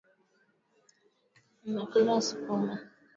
Nimekula sukuma.